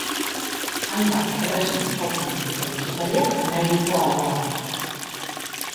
Hainbat tresna jotzen dakiten musikariak nahi ditu alboan.